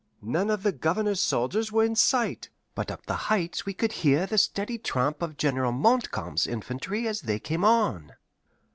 None of the Governors soldiers were in sight, but up the Heights we could hear the steady tramp of General Montcalm's infantry as they came on.